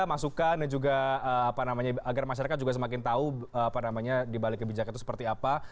masukan dan juga apa namanya agar masyarakat juga semakin tahu apa namanya dibalik kebijakan itu seperti apa